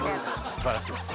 すばらしいです。